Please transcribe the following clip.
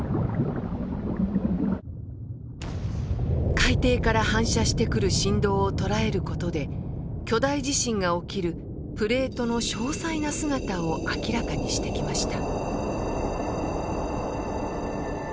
海底から反射してくる振動を捉える事で巨大地震が起きるプレートの詳細な姿を明らかにしてきました。